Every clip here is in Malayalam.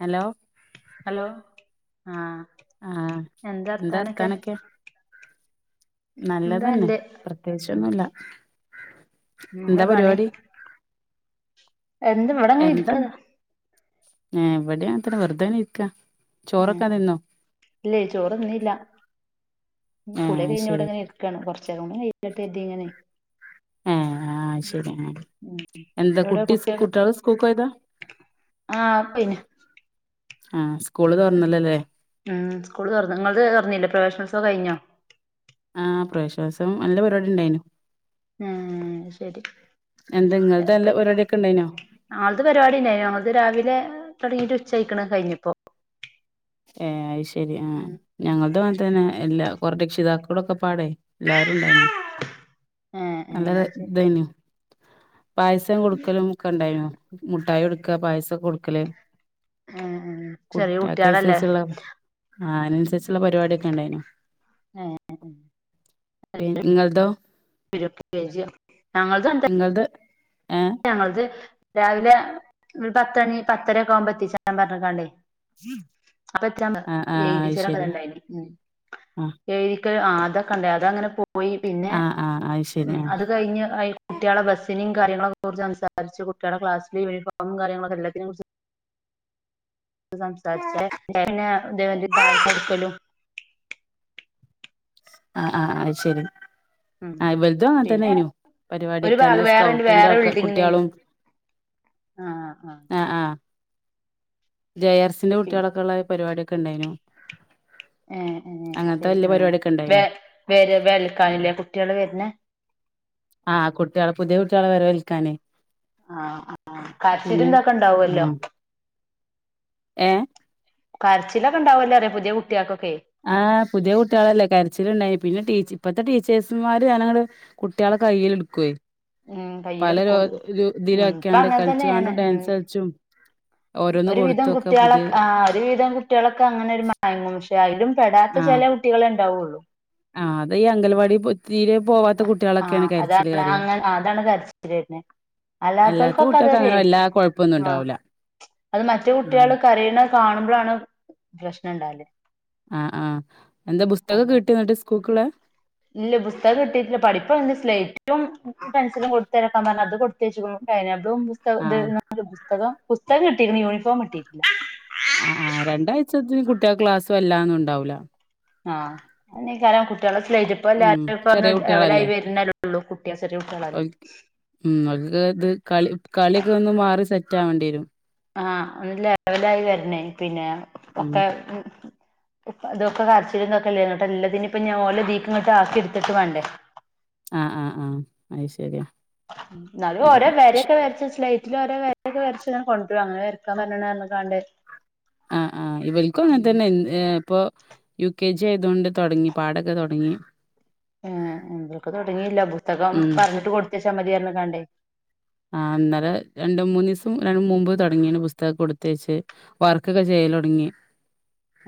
ഹലോ ഹലോ ആ ആഹ് എന്താ അർഥാനൊക്കെ നല്ലതന്നെ പ്രത്യേകിച്ചൊന്നുമല്ല എന്ത പണി എന്താ ഇവിടെങ്ങെ ഇരിക്കണതാ എവിടെയാ അത്ര വെറുതെ ഇരിക്കാ ഉം ചോറൊക്കെ തിന്നോ ഇല്ലേ ചോറൊന്നുംല്ല ഉ ഏഹ് കുളി അയ്ശരി കഴിഞ്ഞവിടെങ്ങനെ എടുക്കാണ് കുറച്ചൂ കട്ട് എതി ഇങ്ങനെ ആ ആ ശരി ഉം എന്താ കുട്ടി കുട്ടള സ്കൂക്കോയതാ ആ അപ്പയിന്നെ ആ സ്കൂള് തുറന്നല്ലല്ലേ സ്കൂൾറഞ്ഞു നിങ്ങ തുറഞ്ഞില്ലേ പ്രൊഫഷണൽസോ കഴിഞ്ഞോ ആ പ്രേശ്വാസം നല്ല പരിപാടി ഉണ്ടായിനു ഉം ശരി എന്താ ഇങ്ങൾത് നല്ല പരിപാടിയൊക്കെ ഇണ്ടായിനോ ഞങ്ങത് പരിപാടിണ്ടായി ഞങ്ങ രാവിലെ തുടങ്ങിട്ട് ചയിക്കണം കഴിഞ്ഞപ്പോ ഏ അത് ശരി ആ ഉം ഉം ഞങ്ങളുടെ പോന തന്നെ എല്ലാ കൊറെ രക്ഷിതാക്കളടൊക്കെ പാടേ എല്ലാരും ഉണ്ടായിനു ഏഹ് നല്ല ഏഹ് അത് ശരി ഇതായിനു പായസം കൊടുക്കലും ഒക്കെണ്ടായി മുഠായി കൊടുക്കുക പായസം കൊടുക്ക കൊടുക്കല് ആഹ ശരി ഊട്ടി ക്ക അനുസരിച്ചുള്ള ആ അതിനനുസരിച്ചുള്ള പരിപാടിയൊക്കെ ഉണ്ടായിനു ആഹ പി നിങ്ങളന്തോ ഫൊക്ക കഴജിയോ നിങ്ങളത് ഏ ഞങ്ങത് രാവിലെ ഒരു പത്തണി പത്തരക്കെ ആവുമ്പോ എത്തി ചട്ടൻ പറഞ്ഞക്കല്ലേ അപ്പ എത്രാ ആ ആ എഴുതി അത് ശരി ആ ചേരൊക്കെണ്ടായിന് ആത കണ്ടേ അതങ്ങനെ പോയി പിന്നെ ആ ആ അത് ഉ ശരി ആ അത് കഴിഞ്ഞ് കുട്ടികളെ ബസ്സിനും കാര്യങ്ങളൊക്കെ ജോർജ്നസരിച്ച് കുട്ടികുടെ ക്ലാസസി വ ഒരു ഫോും കാര്യങ്ങളൊക്കെ എല്ലത്തിനെ കുുറിച്ച് സംസാരിച്ചന്നെ ഇലടുക്കലും ആ് ആഹ അത് ശരി ഉം ആ വലുതും അങ്ങനെ പിന്നെ തന്നൊയിനു ഒരു പരിപാടൊക്കെല്ലെ ഭാഗം സ്കൗട്ടിന്റെ ആൾക്ക കുട്ടികളും ആഹ ആഹ ജയർസിന്റെ കുട്ടികൾൊക്കെ ഉള്ള പരിപാടിിയൊക്കെ ഉണ്ടായിനു ഏ അങ്ങനത്തെ ശരി വലിയ ഉ പരിപാടിയൊക്കെ വ ഉണ്ടായിനു വേര് വൽക്കാനില്ലേ കുട്ടികള് വരുന്ന ആഹ് കുട്ടികള്െ പുതിയ കുട്ടികളെ വരെ വിൽക്കാനേ ആഹ ആ കാ്ശിരി എന്താക്കെ ഉണ്ടാവല്ലോ ആ ഏ കരച്ചിലൊക്കെ ഉണ്ടാവുംല്ലേ പുതിയ കുട്ടികൾക്കെ ആഹ് പുതിയ കുട്ടികളല്ലേ കരച്ചില് ഉണ്ടായി പിന്നെ ടീച്ച ഇപ്പഴത്തെ ടീച്ചേഴ്സുമാര് ഞാനങ്ങ കുട്ടികളെ കൈയ്യിൽ എടുക്കുവേ ഉം പല ര കയ്യിലെടുക്കും ഉം ഇപ്പൊ തിലൊക്കെയാണ്ട് അങ്ങനെ കളിച്ചു തന്നെയാണ് കണ്ടും ഉം ഡാൻസ് കളിച്ചും ഓരോന്ന് ഒരുവിധം കൊടുത്തൊക്കെ കുട്ടികള പുതിയ ആഹ് ഒരു വിധം കുട്ടികളക്കെ അങ്ങനെ ഒരു പക്ഷെ അതിലും പെടാത്ത ചില ആഹ് കുട്ടികള് ഉണ്ടാവുള്ളു ആഹ് ഇത് അംഗൽവാടി പോയി ആഹ് അതാണ് കരയാ അങ്ങനെ അതാണ് കരച്ചില് വരുന്നേ അല്ലാത്ത അല്ലാത്തവർക്കൊക്കെ കുട്ടികൾക്ക് അതോര് അങ്ങനെ വല്ലാ കൊഴപ്പൊന്നും ആഹ് ഉണ്ടാവൂല അത് മറ്റ് ഉം കുട്ടികള് കരയണ കാണുമ്പോഴാണ് പ്രശ്നം ഉണ്ടാവല് ആഹ് ആഹ് എന്താ പുസ്തകക്കെ അല്ലെ കിട്ടിയോ എന്നിട്ട് സ്കൂക്കള് ഇല്ല പുസ്തക കിട്ടിട്ടില്ല പഠിപ്പ എന്റെ സ്ലേറ്റും പെൻസിലും കൊടുത്ത് അത് കൊടുത്ത ഇത് പുസ്ത ആഹ് ഇ പുസ്തകം പുസ്തകം കിട്ടി ഇനി യൂണിഫോം കിട്ടിയില്ലാ ആഹ് രണ്ടാഴ്ചത്തേക്ക് കുട്ടികൾക്ക് ക്ലാസ് എല്ലാം ഉണ്ടാവൂല ആഹ് അന കാരണം കുട്ടികളെ സ്പ്പ ഉം ലാപ്ടോപ് ചെറിയ ലവലായി കുട്ടികളല്ലേ വരുന്നല്ലേള്ളൂ ചെറിയ കുട്ട്യാളല്ലേ ഉം അത് ഇത് കളി കളിയൊക്കെ ഒന്ന് മാറി സെറ്റ് ആവേണ്ടി വരും ആഹ് ഒര് ലെവലായി വരണേ പിന്നെ ഉം ഒക്കെ അതൊക്കെ കരച്ചിലന്തൊക്കെല്ലേോട്ട് എല്ലാത്തിനി ഇപ്പ ഞാൻഓക്ക് ദീക്ക ഇങ്ങോട്ട് ആക്കി എടുത്തിട്ട് വേണ്ടേ ആഹ് ആഹ് ആഹ് അത് ശരിയാ അത് ഓട വരക്കെ വരച്ച് സ്ലീയറ്റിൽ ഇവടെ ഓരോ വര വരച്ച് കൊണ്ട് പോ അങ്ങനെ വരക്കാൻ പറാണ്ട് ആഹ് ആഹ് ഇവരിക്കും അങ്ങനെ തന്നെ എ ഇപ്പൊ യു കെ ജി ആയതൊണ്ട് തുടങ്ങി പാഠംക്കെ തുടങ്ങി ഏ എന്തക്ക് തുടങ്ങിയില്ല പുസ്തകം ഉം പറഞ്ഞിട്ട് കൊടുത്ത [unintelligible] ആഹ് ഇന്നലെ രണ്ട് മൂന്ന് ദിവസം മുൻപ് തുടങ്ങിയ പുസ്തകം കൊടുത്ത വച്ച് വർക്കൊക്കെ ചെയ്യ ക്കല്‌ തൊടങ്ങി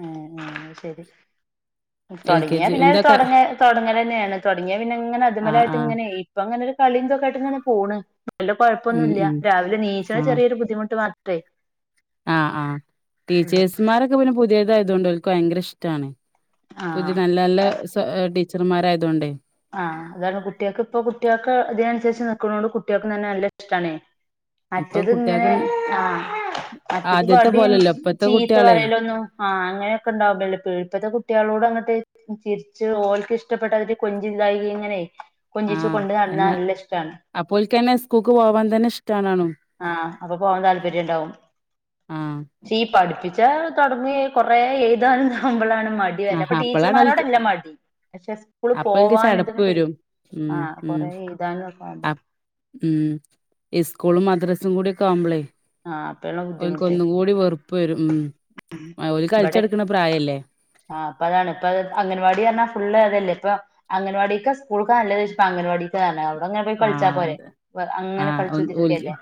ആഹ് ആഹ് ശരി എൽ കെ തുടങ്ങിയ ജി പിന്നെ എന്തൊക്കെ തുടങ്ങ തുടങ്ങ തന്നെയാണ് തുടങ്ങിയ പിന്നെ അങ്ങനെ അത്മേല് ആഹ് ആയിട്ട് ആഹ് ഇങ്ങനെ ഇപ്പൊ അങ്ങനരു കളീന്തൊക്കായിട്ട്ങ്ങനെ പോണ്. വെല്ല്യെ ഉം കുഴപ്പൊന്നുല്ലാ ഉം രാവിലെ നീച്ച്ണെ ആഹ് ചെറിയൊരു ബുദ്ധിമുട്ട് മാ തെയ് ആഹ് ആഹ് ടീച്ചേഴ്സ്മാരൊക്കെ പിന്നെ പുതിയതായതുകൊണ്ട് ഓൽക്ക് ഭയങ്കര ഇഷ്ടാണ് ആഹ് പുതിതനല്ലെ നല്ലെ ടീച്ചർമാരായതൊണ്ടേ ആഹ് അതാണ് കുട്ട്യാക്ക് ഇപ്പൊ കുട്ട്യാക്ക് ഇതിനനുസരിച്ച് നിക്കണോണ്ട് കട്ട്യാക്കുംതന്നെ നല്ല ഇഷ്ടണേ അപ്പൊ മറ്റത് ഇങ്ങനെ കുട്ടികൾക്ക് ആഹ് മറ്റേത് ആദ്യത്തെ വടിയും പോലല്ലോ ഇപ്പത്തെ ചീത്ത കുട്ടികളെ പറയലൊന്നും ആഹ് അങ്ങനെയൊക്കെണ്ടാവുമ്പല്ലേ പേടി ഇപ്പഴത്തെ കുട്ട്യാളോട എന്നിട്ടേര്ക്കും ചിരിച്ച് ഓൽക്ക് ഇഷ്ടപ്പെട്ടാതിരി കൊഞ്ചില്ലായിക ഇങ്ങനെയ് കൊഞ്ചിച്ചു ആഹ് കൊണ്ട് നടന്നാ അയിന് നല്ല ഇഷ്ടാണ് അപ്പോൽക്കന്നെ സ്കൂൾക്ക് പോവാൻ തന്നെ ഇഷ്ടാണാണും ആഹ് അപ്പൊ പോവാൻ താല്പര്യണ്ടാവും ആഹ് ചീ പഠിപ്പി റ്റാ തൊടങ്ങി കൊറേ എഴുതാനും ആവുമ്പളാണ് മടിവരാ ആഹ് അപ്പൊ അപ്പളാണ് ഓൽക്ക് ടീച്ചർമാരോടല്ല മടി പക്ഷേ സ്കൂള് അപ്പൊ എനിക്ക് ചടപ്പ് പോവാന്ണ്ട്ങ്ങണ്ടേ വരും ഉം ആഹ് ഉം കൊറേ എഴുതാനും ഒക്കെ ആവുമ്പോ അപ് ഉം ഇസ്കൂളും മദ്രാസും കൂടിഒക്കെ ആവുമ്പളേ ആഹ് അപ്പള്ള ബുദ്ധിമുട്ട് ഓൽക്കൊന്നും കൂടി വെറുപ്പ് വരും ഉം അ ഓല് ഇബടെ കൽച്ചടക്ക്ണ പ്രായല്ലേ ആഹ് അപ്പോ അതാണ് ഇപ്പത് അഠഗൻവാടി അർഞ്ഞാ ഫുള്ള് അതല്ലേ ഇപ്പൊ അംഗൻവാടിക്കാ സ്കൂൾക്കാ നല്ലത് [unintelligible] അംഗൻവാടി [unintelligible] ആഹ് അതെ ആഹ് കളിച്ചു ഓൻ ഓൽ കുത്തിരിക്കല്ലേ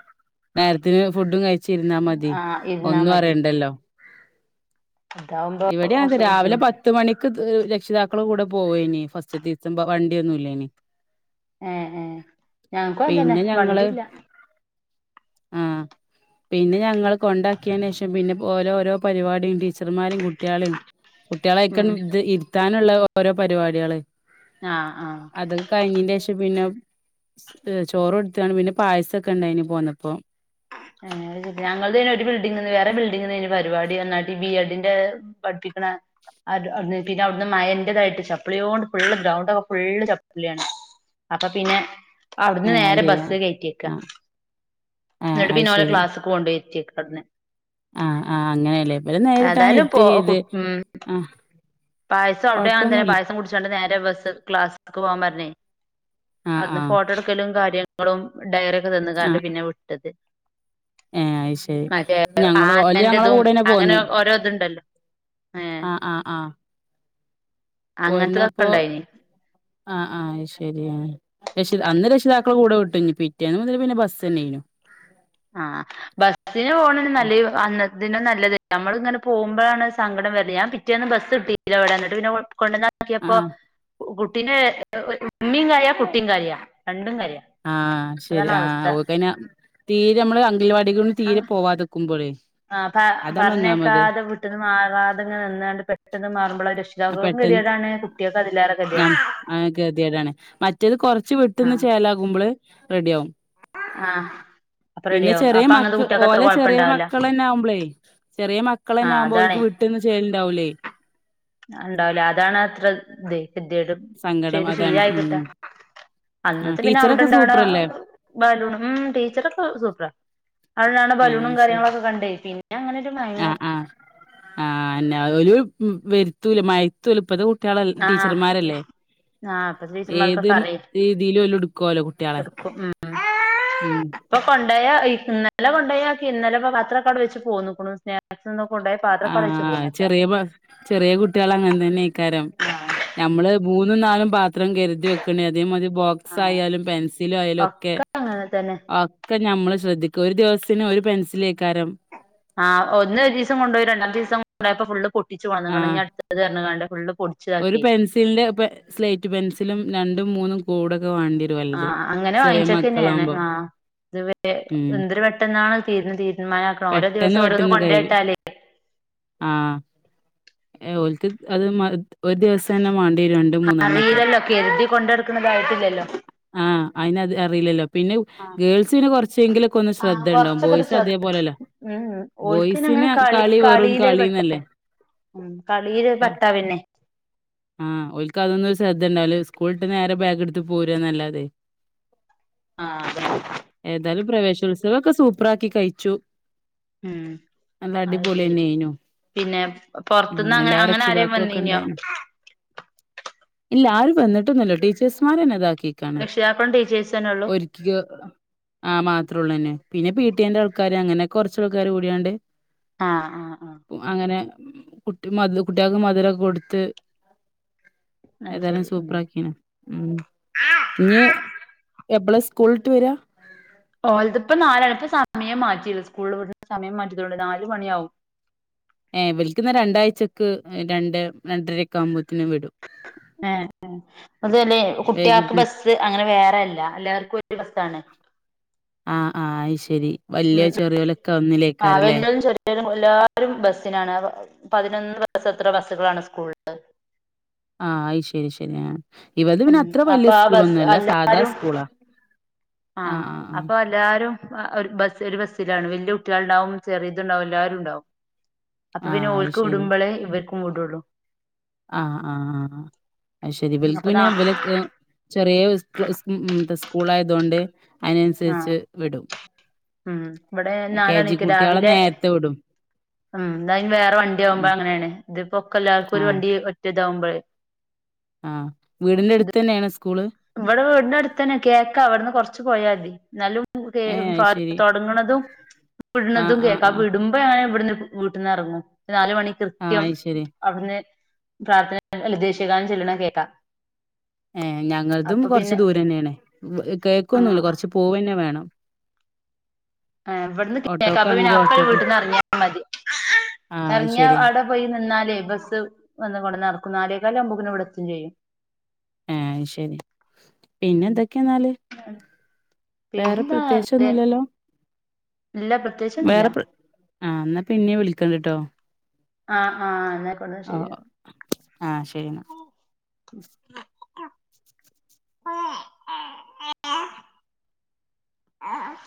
നേര്ത്തിന് ഫുഡും കഴിച്ചിര്ന്നാ മതി ആഹ് ഇരുന്നാ ഒന്നും മതി അറിയണ്ടല്ലോ ഇതാവുമ്പോ ഇവടിം അങ്ങൻതന്നെ കുറച്ച് രാവിലെ ബുദ്ധിമുട്ട് പത്ത് മണിക്ക് തീ രക്ഷിതാക്കൾ കൂടും. പോയിനീ ഫസ്റ്റ്ത്തെ ദിവസം വണ്ടിയൊന്നുല്ലേയ്നി ഏഹ് ഏഹ് ഞങ്ങക്കും അങ്ങൻതന്നെ ഞങ്ങള് വണ്ടില്ല ആഹ് പിന്നെ ഞങ്ങള് കൊണ്ടാക്ക്യേന്റേഷം പി ഓരോരോ പര്പാടീം ടീച്ചർമാരേം കുട്ട്യാളേം കുട്ട്യാളെ ഉം ഐക്കങ്ങണ്ട് ത് ഇര്ത്താൻ ന്ള്ള ഓരോ പരിപാട്യാള് ആഹ് ആഹ് അത് കയ്ഞ്ഞീന്റേഷം പിന്നെ ചോറ് കൊട്ത്ത്കാണ്ട് പിന്നെ പായസൊക്കെണ്ടായിന് പോന്നപ്പോ ഏഹ് ഞങ്ങൾ തെ ഒരു ബിൽഡിംഗ് നിന്ന് വേറെ ബിൽഡിംഗ് ന്നെ പരിപാടി [unintelligible] ബി എഡിന്റെ ബട്ട്‌ [unintelligible] അത് ഔട്ന് പിന്നെ ഔട്ന്ന് മയന്റതായ്റ്റ് ചപ്ലിയോണ്ട് ഫുള്ള് ഗ്രൗണ്ടൊക്കെ ഫുള്ള് ചപ്ല്യാണ്. അപ്പ പിന്നെ ഔട്ന്ന് ഏ അത് നേരെ ശരിയാ ബസ്സ് കയറ്റ്യേക്ക ആ ന്ന്ട്ട് പിന്നെ ഓലെ ക്ലാസ്ക്ക് കൊണ്ടോയി ഇര്ത്യേക്ക ആഹ് ആഹ് അങ്ങനേല്ലേ ഇബലെ നേരിട്ടണ് ഏതായാലും പോ ഇര്ത്തി ചെയ്തെ ഉം ആഹ് പായസം [unintelligible] പായസം കുട്ച്ചാണ്ട് നേ ബസ്സ് ക്ലാസ്സ് ക്ക് പോവാൻ പർഞ്ഞെ ആ ആ അവ്ട്ന്ന് ഫോട്ടട്ക്കലും കാര്യങ്ങളും ഡയറി ക്കെ തന്ന്ക്കാണ്ട് പിന്നെ വിട്ടത്. ഏഹ് അയ്ശെരി മറ്റേ ഞങ്ങള് ഓല് ഞങ്ങളെ ആനന്റെതും കൂടെൻ പോന്ന അങ്ങനെ ഓരോ ഇതുണ്ടല്ലോ ഏഹ് ആഹ് ആഹ് ആഹ് അങ്ങനത്തതൊക്കെ പോര്ന്നപ്പോ ഉണ്ടായിനി ആഹ് ആഹ് ഐശ് ശെരിയാണ് രെഷി അന്ന് രക്ഷിതാക്കളെ കൂടെ വിട്ടു. ഞ്ഞി പിറ്റേന്ന് മുതല് പിന്നെ ബസ്സെനേയ്നു. ആഹ് ബസ്സിന് പോണെ [unintelligible] അന്ന് ഇത നല്ലത് നമ്മള ഇങ്ങനെ പോമ്പോഴാണ് സങ്കടം വര ഞാൻ പിറ്റേ ഒന്ന് ബസ് ഇട്ടില്ല [unintelligible] പിന്നെ കൊണ്ടാന്നാ ആ ക്കിയപ്പോ കുട്ടീന്റെ ഉമീം കരയാ കുട്ടീം കരയാ രണ്ടും കരയാ ആഹ് ശെരി അതാണ് ആഹ് അവസ്ഥ ഓകൈ ന് തീരെ മ്മള് അങ്കൽവാടിക്കൊന്നും തീരെ പോവാതെക്കും ആഹ് പ പറഞ്ഞേക്കാതെ വിട്ട്ന്ന് മാറാതെ ങ്ങനെ നിന്നാണ്ട് പെട്ടെന്ന് മാറ്മ്പളാ രു ശ് [unintelligible] കെത്യേടാണ് കുട്ട്യൾ ഞ്ഞം ആഹ് ഗത്യേടാണ് മറ്റേത് കൊർച്ച് വിട്ട്ന്ന് ചേലാകുമ്പള് റെഡിയാവും ആഹ് പിന്നെ ചെറിയ മക്ക് ഓലെ ചെറിയ കൊഴപ്പണ്ടാവില്ല മക്കളെന്നാമ്പളെ ചെറിയ ആ മക്കളെന്നാവുമ്പോ ഓല്ക് വി ട്ട്ന്ന് ചേല്ണ്ടാവൂലേ ണ്ടാവൂല അതാണ് അത്ര ഇത് കെത്യേടും പക്ഷെ സങ്കടം ഇത് അതാണ് ശീലായി കിട്ടാ ഉം ആ അന്നത്തെ പിന്നെ ടീച്ചറൊക്കെ അവടെണ്ടാണ സൂപ്പറല്ലേ ബാലുണും മ് ടീച്ചറൊക്കെ സൂപ്പറാ അവടുണ്ടാക്കണ ഏ ബലൂണും ശരി കാര്യങ്ങളൊക്കെ കണ്ടേ പിന്നങ്ങനെയൊരു മയങ്ങും. ആഹ് എന്നാ ഓല് വെരുത്തോല്ലേ മയത്തൂല്ലേ ഇപ്പത്തെ കുട്ടികളല്ലേ ആ ടീച്ചറ്മാരല്ലേ ആ ഇപ്പത്തെ ഏത് ടീച്ചർമാർക്കൊക്കെ അറിയും രീതിയിലോല് എടുക്കാലോ കുട്ടികളെ എടുക്കും ഉം കൊണ്ടയാ ഇന്നലെ കൊണ്ടോയാക്കി ഇന്നലെ ഇപ്പോ പത്രവൊക്കെ അവടെ വെച്ച് പോന്നേക്കണ് സ്നാക്സൊന്നും ആഹ് ചെറിയ ചെറിയ കുട്ടികള് അങ്ങനെ തന്നെ അയ്ക്കാരം ഞമ്മള് മൂന്നും നാലും പാ പാത്രം കരുതിവെക്കണേ അതേമാരി ആഹ് ബോക്സായാലും പെൻസിലായാലും ഒക്കെ അങ്ങനെ തന്നെ ഒക്കെ ഞമ്മള് ശ്രദ്ധിക്കും ഒരു ദിവസത്തിന് ഒരു പെൻസില് ആഹ് ഒന്ന്‌ ഒര് ദിവസം കൊണ്ടോയി രണ്ടാമത്തെ ദിവസം കൊണ്ടോയപ്പോ ഫുള്ള് പൊ പൊട്ടിച്ച് വന്നേക്കണു ആഹ് ഇനി അടുത്തത് പുതിയത് പറഞ്ഞങ്ങാണ്ട് ഫുള്ളും ഒരു പെൻസിലില് സ്ലേറ്റ് പെൻസിലും രണ്ടും മൂന്നും കൂട് ആഹ് അങ്ങനെ വാങ്ങിച്ചക്കെന്നയാണ് മക്കളാവുമ്പോ ആഹ് ഇത് വേ ഉം എന്തൊര് പെട്ടന്നാണ് തീരണ് തീരുമാനമാക്കണത് ഓരോ പെട്ടെന്ന് ദിവസം ഓരോന്ന് പെട്ടെന്ന് കഴിയും കൊണ്ടോയിട്ടാല് ആഹ് ഓൽക്ക് അത് മ ഒര് ദിവസം തന്നെ മാണ്ടി വരും രണ്ടും മൂന്നും എണ്ണവൊക്കെ കൊണ്ട് നടക്കണതായിട്ടില്ല ആഹ് അയിന് അത് അറീലല്ലോ പിന്നെ ആഹ് ഗേൾസിന് കൊറച്ചെങ്കിലും ഒക്കെയൊന്ന് ആഹ് ശ്രദ്ധയുണ്ടാവും കൊറച്ചൊക്കെ ഒരു ബോയ്സ് ശ്രദ്ധ അതേ പോലെയല്ല. ഉം ഓൾക്ക് പിന്നങ്ങനെ കളീ വെറും കളിന്നല്ലേ. ഉം കളീല് ഒരു ക വട്ടാ പിന്നെ ആഹ് ഓൽക്ക് അതൊന്നും ഒരു ശ്രദ്ധ ഉണ്ടാവില്ല സ്കൂള് വിട്ട് നേരെ ബാഗ് എടുത്ത് പോരുകാന്നല്ലാതെയെ ആഹ് അതെ ഉത്സവവൊക്കെ സൂപ്പറാക്കി കഴിച്ചു ഉം നല്ല അത് ശരി അടിപൊളിന്നെനു പിന്നെ പൊറത്തുന്ന് അങ്ങനെ അങ്ങനെ ആരെലും വന്നീനോ രക്ഷിതാക്കളൊക്കെണ്ടായിനു. ഇല്ല ആര് വന്നിട്ടൊന്നുല്ലാ ടീച്ചേഴ്സ്മാരന്നെ ഇതാക്കി രക്ഷിതാക്കളും ടീ - ഒരുക്കി വെക്കാന് ആഹ് മാത്രേ ഉള്ളനി പിന്നെ പീടി എയിന്റെ ആൾക്കാർ- അങ്ങനെ കൊറച്ച് ആള്ക്കാര് കൂടിയാണ്ട്- ആഹ് ആഹ് ആഹ് അങ്ങനെ കുട്ടി മധു കുട്ടികൾക്ക് മധുരമക്കെ കൊടുത്ത്- അത് ഏതായാലും ശരി ഉം സൂപ്പർ ആക്കിനെ ഉം ഇഞ്- എപ്പള സ്കൂള് വിട്ട് വരാ ഓല് ഇതപ്പം നാലരക്ക് സമയം മാറ്റിയോണ്ട് സ്കൂളില് വിടുന്ന സമയം മാറ്റിയതോണ്ട് നാല് മണിയാവും ഏവർക്ക് ഇന്ന് രണ്ട് ആഴ്ച്ചക്ക് രണ്ടരൊക്കെ ആവുമ്പോത്തിന് വിടും ആഹ് അതല്ലെ കുട്ട്യാക്ക് വൈകുന്നേ ബസ്സ് അങ്ങനെ വേറെല്ല എല്ലാർക്കും ഒരു ബസ്സാണ് ആഹ് ആഹ് അത് ശരി ഉം വലിയതും ചെറിയലൊക്കെ ആഹ് ഒന്നിലേക്കാരല്ലേ വല്യോരും ചെറിയോരും എല്ലാരും ബസ്സിനാണ് പതിനൊന്ന് എത്രോ ബസ്സുകളാണ് സ്കൂളില് ആഹ് അയ്ശെരി ആഹ് ആഹ് ഇവലത് പിന്നെ ഉം അത്ര വല്യ അപ്പൊ ആ ബസ് സ്കൂളൊന്നും അല്ല സാധാ എല്ലാരും സ്കൂളാ ആഹ് അപ്പൊ എല്ലാരും ഒരു ബസ് ഒരു ബസ്സിലാണ് വലിയ കുട്ടികൾ ഉണ്ടാവും ചെറിയതുണ്ടാവും എല്ലാവരും ഉണ്ടാവും അപ്പൊ ആഹ് പിന്നെ ആഹ് അയ് ഓൽക്ക് ശരി വിടുമ്പോളേ ഇവർക്കും വിടുള്ളു ആഹ് ആഹ് ആഹ് ശരി അപ്പൊ ഇബൽക്ക് നാ ഇവൽക്ക് പിന്നെ ചെറിയ സ്കൂൾ ആയതുകൊണ്ട് ആഹ് അതിനനുസരിച്ച് വിടും ഉം ഇവിടെ കെ ജി നാലമണിക്ക് കുട്ട്യാളെ രാവിലെ- നേരത്തെ വിടും ഉം ഇതയിന് വേറെ വണ്ടിയാവുമ്പോ ഉം അങ്ങനെയാണ് ഇപൊക്കല്ലാർക്ക് ഒരു ആഹ് വണ്ടി ഒറ്റതാവുമ്പോഴേ ആഹ് വീടിന്റെ അടുത്ത് തന്നെയാണ് സ്കൂള്? ഇവിടെ വീടിന്റെ അടുത്തന്നെ കേക്കാ അവിടുന്ന് കൊറച്ച് പോയാൽ മതി ഏഹ് അത് നല്ല ശരി. തുടങ്ങുന്നതും ആഹ് വിടുന്നതും ആഹ് കേക്ക ആ ആഹ്. വിടുമ്പോ അങ്ങനെ ഇവിട വീട്ടന്ന് ഇറങ്ങും നാലമണി ആഹ് കൃത്യം അത് ശരി. അവിടുന്ന് പ്രാർത്ഥന അല്ല ദേശീയഗാനം ചെല്ലണത് കേക്കാം ഏ ഞങ്ങളതും കുറച്ച് ദൂരം തന്നെയണ് കേൾക്കൊന്നുല്ല ആഹ് കുറച്ച് പോൂവന്നെ വേണം ആ ഇവിടെന്ന് കേക്കാം അപ്പൊ പിന്നെ ഓട്ടോക്കാണെങ്കി അപ്പനെ ഓട്ടോക്ക് വീട്ടീന്ന് ഇറങ്ങിയാൽ മതി ആഹ് അത് ഇറങ്ങ ശരി. അവിടെ പോയി നിന്നാലേ ബസ്സ് വന്ന ടെ നടക്കു നാലേക്കാല് ആകുമ്പോഴക്ക ഇവിടത്തും ചെയ്യും ആ ശരി പിന്നെ ഉം എന്തൊക്കെയാെന്നാല് വേറെ പിന്നെന്താ അല്ലേ പ്രത്യശൊന്നുമില്ലല്ലോ ഇല്ല പ്രത്യേകിച്ചൊന്നുല്ല വേറെ പ്രേത്യാക്കിച്ചൊന്നും ആ എന്നാപ്പിന്നെ വിളിക്കണ്ടിട്ടോ ആഹ് ആഹ എന്നായിക്കോട്ടെ ശരിന്നാ ആഹ് ശരി. ആഹ ആ ആ ആഹ്